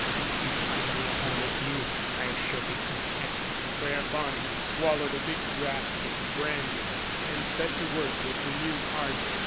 if you will give me a home with you, I shall be content." Whereupon he swallowed a big draught of brandy, and set to work with renewed ardor.